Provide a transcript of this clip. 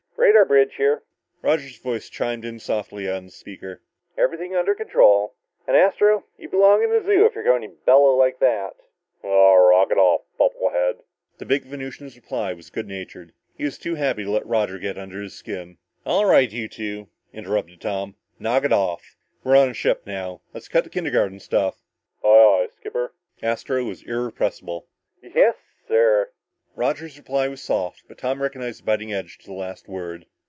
"Radar bridge here," Roger's voice chimed in softly on the speaker. "Everything under control. And, Astro, you belong in a zoo if you're going to bellow like that!" "Ahhh rocket off, bubblehead!" The big Venusian's reply was good natured. He was too happy to let Roger get under his skin. "All right, you two," interrupted Tom. "Knock it off. We're on a ship now. Let's cut the kindergarten stuff!" "Aye, aye, skipper!" Astro was irrepressible. "Yes, sir!" Roger's voice was soft but Tom recognized the biting edge to the last word.